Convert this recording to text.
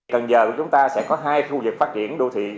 cần giờ chúng ta sẽ có hai khu vực phát triển đô thị